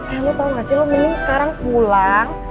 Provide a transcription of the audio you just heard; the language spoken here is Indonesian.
eh lo tau gak sih lo meling sekarang pulang